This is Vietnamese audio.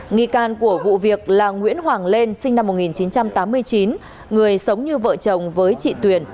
nghi can của vụ việc là nguyễn hoàng lên sinh năm một nghìn chín trăm tám mươi chín người sống như vợ chồng với chị tuyền